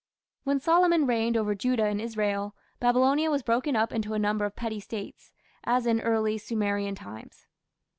When Solomon reigned over Judah and Israel, Babylonia was broken up into a number of petty States, as in early Sumerian times.